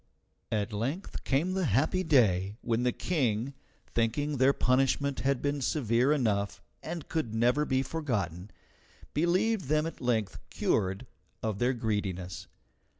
At length came the happy day when the King, thinking their punishment had been severe enough and could never be forgotten, believed them at length cured of their greediness.